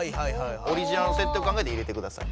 オリジナルのせっていを考えて入れてください。